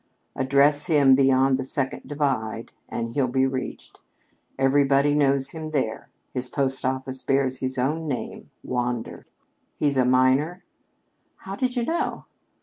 "Address him beyond the Second Divide, and he'll be reached. Everybody knows him there. His post office bears his own name Wander." "He's a miner?" "How did you know?"